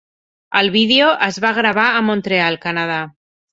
El vídeo es va gravar a Montreal, Canadà.